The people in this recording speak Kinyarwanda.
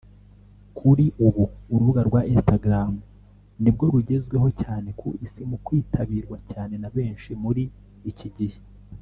Kuri ubu urubuga rwa Instagram nibwo rugezweho cyane ku isi mu kwitabirwa cyane na benshi muri iki gihe